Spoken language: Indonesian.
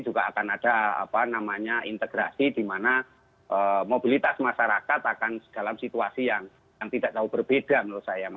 juga akan ada integrasi di mana mobilitas masyarakat akan dalam situasi yang tidak tahu berbeda menurut saya